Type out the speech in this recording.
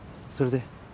それで？